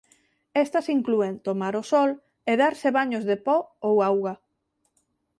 Estas inclúen tomar o sol e darse baños de po ou auga.